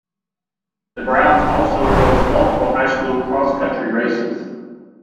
The grounds also host multiple high school cross country races.